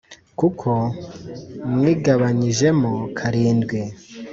Kuko mwigabanyijemo karindwi.